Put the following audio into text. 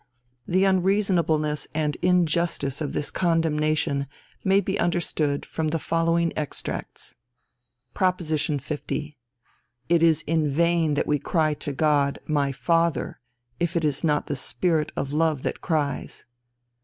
The unreasonableness and injustice of this condemnation may be understood from the following extracts: Proposition 50. "It is in vain that we cry to God, My Father, if it is not the Spirit of love that cries."